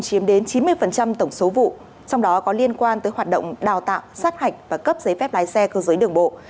chiếm đến chín mươi tổng số vụ trong đó có liên quan tới hoạt động đào tạo sát hạch và cấp giấy phép lái xe cơ giới đường bộ